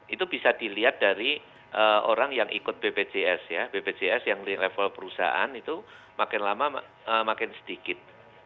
itu bisa dilihat dari orang yang ikut bpjs ya bpjs yang di level perusahaan itu makin lama makin sedikit